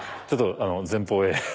ちょっと前方へ。